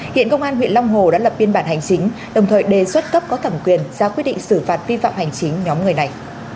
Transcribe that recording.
hiện công an huyện long hồ đã lập biên bản hành chính đồng thời đề xuất cấp có thẩm quyền ra quyết định xử phạt vi phạm hành chính nhóm người này